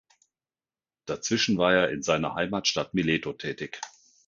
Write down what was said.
Dazwischen war er in seiner Heimatstadt Mileto tätig.